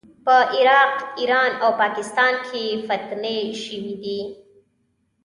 په عراق، ایران او پاکستان کې فتنې شوې دي.